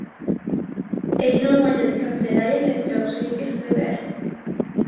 Ells no han guanyat cap medalla en els Jocs Olímpics d'Hivern.